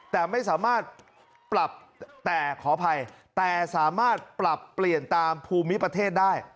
แต่ไม่สามารถปรับแต่ขออภัยแต่สามารถปรับเปลี่ยนตามภูมิประเทศได้